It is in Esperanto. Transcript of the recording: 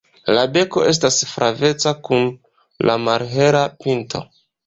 La beko estas flaveca kun malhela pinto.